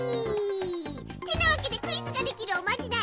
てなわけでクイズができるおまじない！